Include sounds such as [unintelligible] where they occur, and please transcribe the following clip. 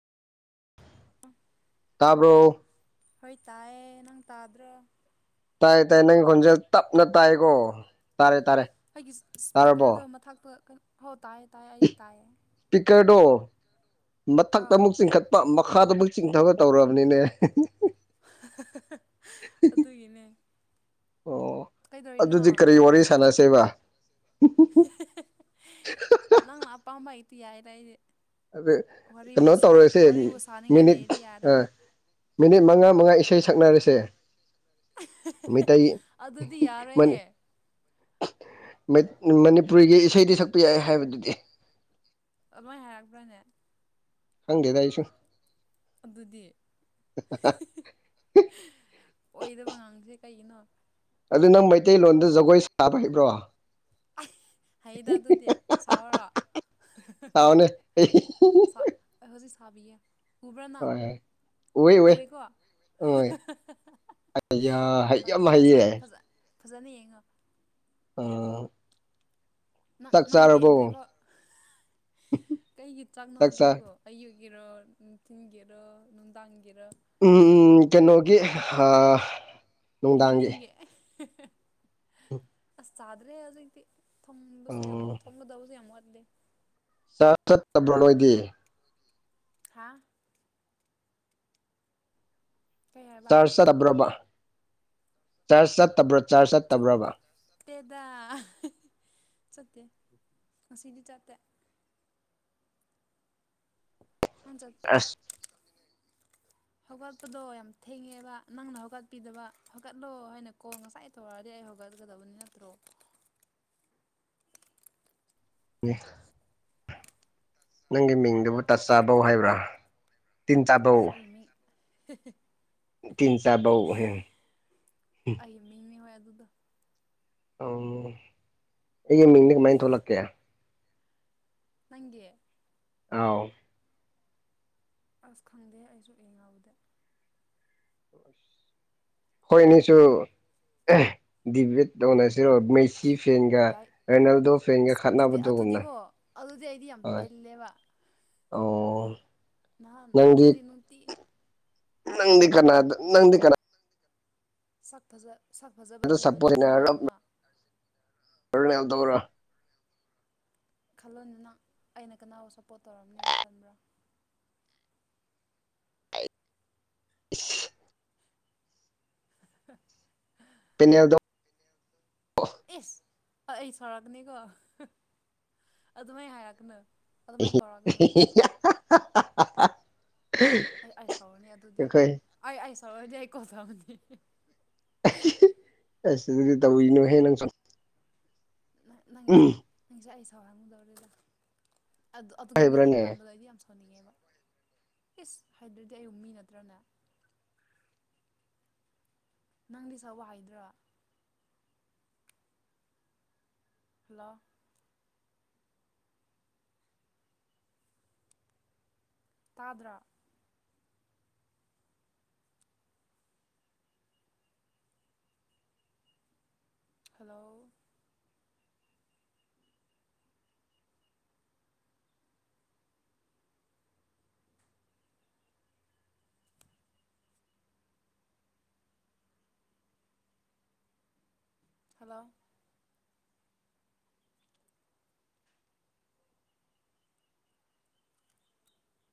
ꯇꯔꯕꯣ ꯍꯣꯏ ꯇꯥꯏꯌꯦ ꯅꯪ ꯇꯥꯗ꯭ꯔꯣ ꯇꯥꯏ ꯇꯥꯏ ꯅꯪꯒꯤ ꯈꯨꯣꯟꯁꯦ ꯇꯞꯅ ꯇꯥꯏꯀꯣ ꯇꯥꯔꯦ ꯇꯥꯔꯦ ꯑꯩꯒꯤ ꯇꯥꯔꯕꯣ ꯏꯁꯄꯤꯀꯔꯗꯣ ꯃꯊꯛꯇꯣ ꯍꯣꯏ ꯇꯥꯏꯌꯦ ꯇꯥꯏꯌꯦ ꯑꯩ ꯇꯥꯏꯌꯦ ꯏꯁꯄꯤꯀꯔꯗꯣ ꯃꯊꯛꯇ ꯑꯥ ꯑꯃꯨꯛ ꯆꯤꯡꯈꯠꯄ ꯃꯈꯥꯗꯨꯛ ꯆꯤꯡꯊꯕ ꯇꯧꯔꯕꯅꯤꯅꯦ ꯑꯗꯨꯒꯤꯅꯦ ꯑꯣ ꯀꯩꯗꯧꯔꯤꯅꯣ ꯑꯗꯨꯗꯤ ꯀꯔꯤ ꯋꯥꯔꯤ ꯁꯥꯟꯅꯁꯦꯕ ꯅ ꯅꯪꯅ ꯑꯄꯥꯝꯕ ꯍꯩꯇꯤ ꯍꯥꯏꯔ ꯑꯩꯗꯤꯦ ꯑꯗꯨ ꯀꯩꯅꯣ ꯇꯧꯔꯁꯦ ꯋꯥꯔꯤꯕꯨ ꯁꯥꯅꯤꯡꯉꯥꯏ ꯃꯤꯅꯤꯠ ꯂꯩꯔꯗꯤ ꯌꯥꯔꯦ ꯑꯥ ꯃꯤꯅꯤꯠ ꯃꯉꯥ ꯃꯉꯥ ꯏꯁꯩ ꯁꯛꯅꯔꯁꯦ ꯃꯣꯏ ꯇꯥꯏ ꯑꯗꯨꯗꯤ ꯃꯅꯤ ꯌꯥꯔꯣꯏꯍꯦ ꯃꯅꯤꯄꯨꯔꯤꯒꯤ ꯏꯁꯩꯗꯤ ꯁꯛꯄ ꯌꯥꯏ ꯍꯥꯏꯕꯗꯨꯗꯤ ꯑꯗꯨꯃꯣꯏ ꯍꯥꯏꯔꯛꯇ꯭ꯔꯅꯦ ꯍꯪꯒꯦ ꯇꯥꯏꯁꯨ ꯑꯗꯨꯗꯤ ꯑꯣꯏꯗꯕ ꯑꯉꯥꯡꯁꯦ ꯀꯩꯅꯣ ꯑꯗꯨ ꯅꯪ ꯃꯩꯇꯩꯂꯣꯟꯗ ꯖꯒꯣꯏ ꯁꯥꯕ ꯍꯥꯏꯕ꯭ꯔꯣ ꯑꯐ ꯍꯌꯦꯗ ꯑꯗꯨꯗꯤ ꯆꯥꯎꯥꯎꯔꯣ ꯁꯥꯎꯅꯦ ꯍꯣꯏ ꯍꯧꯖꯤꯛ ꯊꯥꯕꯤꯌꯦ ꯎꯕ꯭ꯔꯥꯅꯪ ꯍꯣꯏ ꯎꯋꯦ ꯎꯋꯦ ꯎꯦꯀꯣ ꯑꯩ ꯍꯩ ꯌꯥꯝ ꯍꯩꯌꯦ ꯐꯖꯅ ꯌꯦꯡꯉ ꯑ ꯅꯪ ꯆꯥꯛ ꯅꯪ ꯆꯥꯔꯕꯣ ꯄꯦꯟꯗ꯭ꯔꯤꯔꯤꯕꯣ ꯀꯩꯒꯤ ꯆꯥꯛ ꯆꯥ ꯆꯥꯛꯅꯣꯖꯤꯕꯣ ꯑꯌꯨ ꯒꯤꯦꯔꯣ ꯊꯤꯡꯒꯤꯦꯔꯣ ꯂꯨꯟꯗꯥꯡꯒꯦꯔꯣ ꯎꯝ ꯀꯩꯅꯣꯒꯤ ꯏꯚꯅꯤꯡꯦ ꯍ ꯆꯥꯗ꯭ꯔꯦ ꯍꯧꯖꯤꯛꯇꯤ ꯊꯝꯕꯁꯨ ꯌꯥꯝ ꯊꯝꯒꯗꯕꯁꯨ ꯌꯥꯝ ꯋꯥꯠꯂꯤꯦ ꯆꯥꯛ ꯆꯠꯇꯕ꯭ꯔꯣ ꯅꯣꯏꯗꯤ ꯍꯥ ꯀꯩ ꯍꯥꯏꯕ ꯆꯔꯆ ꯆꯠꯇꯕ꯭ꯔꯣꯕ ꯆꯔꯆ ꯆꯠꯇꯕ꯭ꯔꯣ ꯆꯔꯆ ꯆꯠꯇꯕ꯭ꯔꯣꯕ ꯗ ꯆꯠꯇꯦ ꯉꯁꯤꯗꯤ ꯆꯠꯇꯦ ꯍ ꯁ ꯑ ꯍꯧꯒꯠꯄꯗꯣ ꯌꯥꯝ ꯊꯦꯡꯉꯦꯕ ꯅꯪꯅ ꯍꯧꯒꯠꯄꯤꯗꯕ ꯍꯧꯒꯠꯂꯣ ꯍꯥꯏꯅꯀꯣ ꯀꯣꯜ ꯉꯁꯥꯏ ꯇꯧꯔꯗꯤ ꯑꯩ ꯐꯒꯗꯕꯅꯤ ꯅꯠꯇ꯭ꯔꯣ ꯑ [unintelligible] ꯎ [inaudible] ꯅꯪꯒꯤ ꯃꯤꯡꯗꯨꯕꯨ ꯇꯥꯛꯆꯥꯥꯕꯧ ꯍꯥꯏꯕ꯭ꯔꯥ ꯇꯤꯟ ꯆꯥꯕꯧ ꯑꯁ [unintelligible] ꯇꯤꯟ ꯆꯥꯕꯎ ꯀꯗ [unintelligible] ꯎꯝ ꯑꯩꯒꯤ ꯃꯤꯡꯁꯦ ꯀꯃꯥꯏꯅꯥ ꯊꯣꯛꯂꯛꯀꯦ ꯅꯪꯒꯤ ꯑꯥꯎ ꯑꯁ ꯈꯪꯗꯦ ꯑꯩꯁꯨ ꯌꯦꯍꯧꯗꯦ ꯑꯩꯈꯣꯏꯅꯤꯁꯨ ꯗꯦꯕꯦꯠꯇ ꯇꯧꯅꯁꯦ ꯁꯤꯔꯣ ꯃꯩꯁꯤ ꯐꯦꯟꯒ ꯌꯥꯏ ꯔꯣꯅꯥꯜꯗꯣ ꯐꯦꯟꯒ ꯑꯁ ꯑꯗꯨꯗꯤ ꯈꯠꯅꯕꯗꯨꯒꯨꯝꯅ ꯍꯣꯏ ꯇꯜꯂꯦꯕꯥ [inaudible] ꯑꯣ ꯅꯍꯥꯟ ꯅꯪꯗꯤ ꯍꯥꯏꯗꯤ ꯅꯨꯡꯇꯤ ꯅꯪꯗꯤ ꯀꯅꯥ ꯅꯪꯗꯤ ꯀꯅꯥ ꯁꯛ ꯐꯖꯕ ꯑꯗꯨ ꯍꯦꯟꯕꯗꯣ ꯀꯅꯥꯗꯅꯣ ꯍꯔꯅꯦ ꯇꯕ꯭ꯔꯥ [inaudible] ꯈꯜꯂꯣꯅꯦ ꯑꯩꯅ ꯀꯅꯥꯕꯨ ꯁꯞꯄꯣꯠ ꯇꯧꯔꯝꯅꯦꯅ ꯈꯟꯕ꯭ꯔꯥ [inaudible] [inaudible] ꯄꯦꯅꯦꯜꯗꯣ ꯑꯦꯁ ꯑꯩ ꯁꯥꯎꯔꯛꯀꯅꯤꯀꯣ ꯑꯗꯨꯃꯥꯏ ꯍꯥꯏꯔꯥꯛꯀꯅꯨ ꯑꯗꯨꯃꯥꯥꯏ ꯀꯧꯔꯛꯀꯅꯨ [inaudible] ꯑꯩ ꯑꯁꯥꯎꯅꯤ ꯑꯗꯨꯗꯤ ꯑꯩꯈꯣꯏ ꯑꯩ ꯑꯁꯥꯎꯗꯤ ꯑꯩ ꯀꯣꯜ ꯊꯝꯃꯅꯤ ꯑꯁ ꯑꯗꯨꯗꯤ ꯇꯧꯕꯤꯅꯨꯍꯦ ꯅꯥꯪꯁꯨ ꯅꯪꯒꯤꯁꯦ ꯅꯪꯁꯦ ꯑꯩ ꯁꯥꯎꯍꯟꯒꯨꯗꯧꯔꯦꯗ ꯑꯗꯨꯒꯤ ꯃꯤꯡ ꯍꯦꯛ ꯍꯩꯕ꯭ꯔꯅꯦ ꯄꯥꯟꯕꯥꯥꯥꯗ ꯑꯩꯗꯤ ꯌꯥꯝ ꯊꯣꯟꯅꯤꯡꯉꯦꯕ [inaudible] ꯏꯁ ꯍꯥꯏꯗꯗꯤ ꯑꯩꯕꯨ ꯃꯤ ꯅꯠꯇ꯭ꯔꯅꯦ ꯅꯪꯗꯤ ꯁꯥꯎꯕꯥ ꯍꯩꯇꯔꯣ ꯍꯜꯂꯣ ꯇꯥꯗ꯭ꯔꯣ ꯍꯜꯂꯣ ꯍꯜꯂꯣ